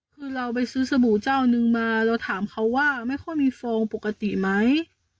คือเราไปซื้อสบู่เจ้านึงมาเราถามเขาว่าไม่ค่อยมีฟองปกติไหม